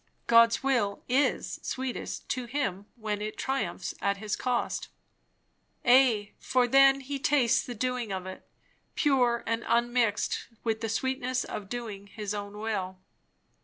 God's will is sweetest to him when It triumphs at his cost." Ay, for then he tastes the doing of it, pure, and unmixed with the sweetness of doing his own will.